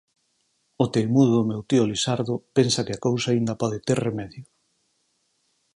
O teimudo do meu tío Lisardo pensa que a cousa aínda pode ter remedio.